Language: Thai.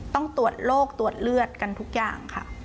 ต้องตรวจโรคตรวจเลือดกันทุกอย่างค่ะ